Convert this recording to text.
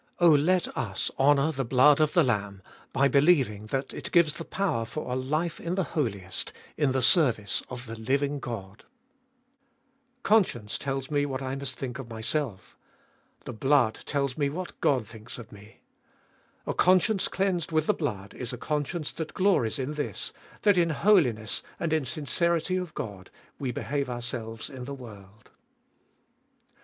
Oh let us honour the blood of the Lamb by believing that it gives the power for a life in the Holiest, in the service of the living God I 3. Conscience tells me what I must think of myself . The blood tells me what God thinks of me. A conscience cleansed with the blood is a conscience that glories in this, that in holiness and In sincerity of God we behave ourselves in the world.